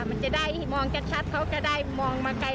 มันจะได้มองชัดเขาก็ได้มองมาไกล